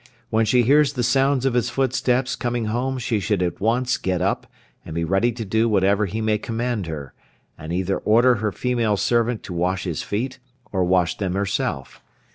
When she hears the sounds of his footsteps coming home she should at once get up, and be ready to do whatever he may command her, and either order her female servant to wash his feet, or wash them herself.